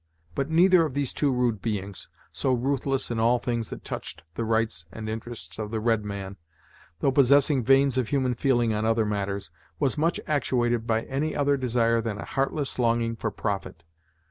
But neither of these two rude beings, so ruthless in all things that touched the rights and interests of the red man, thought possessing veins of human feeling on other matters, was much actuated by any other desire than a heartless longing for profit.